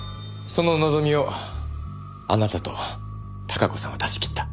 その望みをあなたと孝子さんは断ち切った。